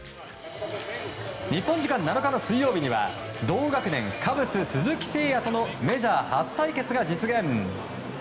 日本時間７日の水曜日には同学年カブス鈴木誠也とのメジャー初対決が実現。